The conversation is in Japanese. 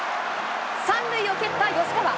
３塁を蹴った吉川。